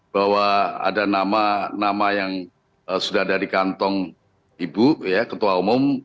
bahwa ada nama nama yang sudah ada di kantong ibu ketua umum